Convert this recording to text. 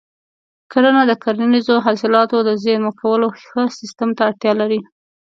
کرنه د کرنیزو حاصلاتو د زېرمه کولو ښه سیستم ته اړتیا لري.